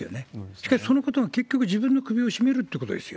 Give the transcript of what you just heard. しかしそのことが、結局自分の首を絞めるってことですよ。